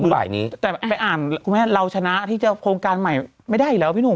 เราอยากไปเอาไหมเรายังไม่มีเงินอยู่